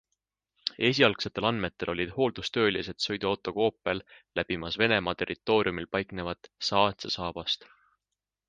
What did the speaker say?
Esialgsetel andmetel olid hooldustöölised sõiduautoga Opel läbimas Venemaa territooriumil paiknevat Saatse saabast.